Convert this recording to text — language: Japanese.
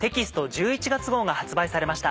１１月号が発売されました。